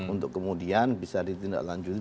untuk kemudian bisa ditindaklanjuti